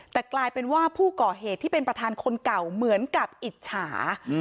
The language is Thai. แต่กลายเป็นว่าผู้ก่อเหตุที่เป็นประธานคนเก่าเหมือนกับอิจฉา